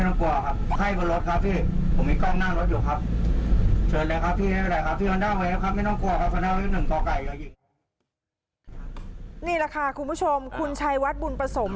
นี่แหละค่ะคุณผู้ชมคุณชัยวัดบุญประสม